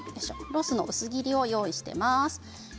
ロースの薄切りを用意しています。